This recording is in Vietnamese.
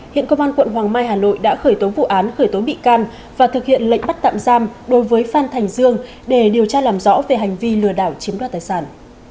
hiện công an quận hoàng mai hà nội đã khởi tố vụ án khởi tố bị can và thực hiện lệnh bắt tạm giam đối với phan thành dương để điều tra làm rõ về hành vi lừa đảo chiếm đoạt tài sản